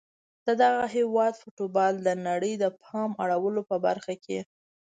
د دغه هیواد فوټبال ته د نړۍ د پام اړولو په برخه کي